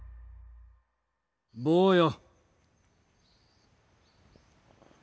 坊よ。